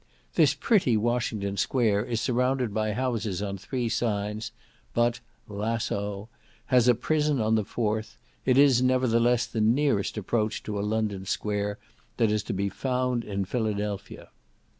This pretty Washington Square is surrounded by houses on three sides, but (lasso!) has a prison on the fourth; it is nevertheless the nearest approach to a London square that is to be found in Philadelphia.